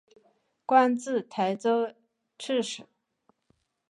官至台州刺史。